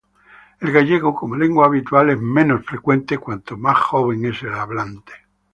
El gallego como lengua habitual es menos frecuente cuanto más joven es el hablante.